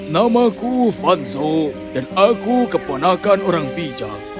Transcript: namaku fanso dan aku keponakan orang bijak